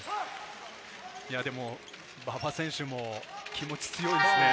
馬場選手も気持ちが強いですね。